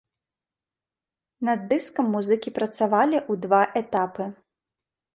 Над дыскам музыкі працавалі ў два этапы.